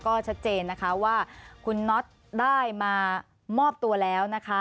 ก็ชัดเจนนะคะว่าคุณน็อตได้มามอบตัวแล้วนะคะ